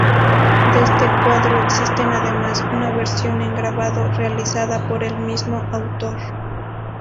De este cuadro existe además una versión en grabado, realizada por el mismo autor.